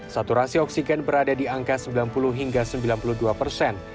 saturasi oksigen berada di angka sembilan puluh hingga sembilan puluh dua persen